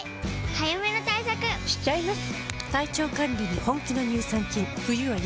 早めの対策しちゃいます。